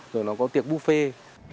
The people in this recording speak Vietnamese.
rồi nó có tiệc buffet